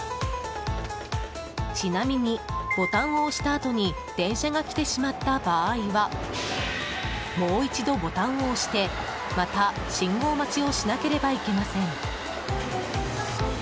ちなみに、ボタンを押したあとに電車が来てしまった場合はもう一度ボタンを押してまた信号待ちをしなければいけません。